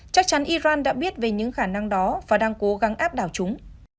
chắc chắn iran đã biết về những khả năng đó và đang cố gắng áp đảo chúng